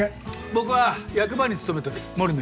僕は役場に勤めとる森野洋輔。